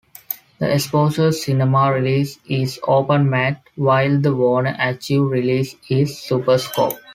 The Exposure Cinema release is open-matte, while the Warner Archive release is in Superscope.